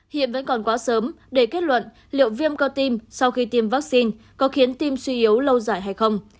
hiện vẫn còn quá sớm để kết luận liệu viêm cơ tim sau khi tiêm vaccine có khiến tim suy yếu lâu dài hay không